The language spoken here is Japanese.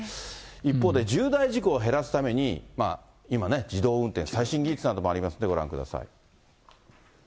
一方で、重大事故を減らすために、今ね、自動運転、最新技術などもありますのでご覧ください。